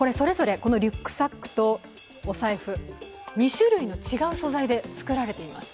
リュックサックとお財布、２種類の違う素材で作られています